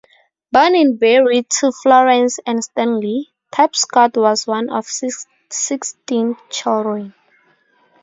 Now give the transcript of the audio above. Born in Barry, to Florence and Stanley, Tapscott was one of sixteen children.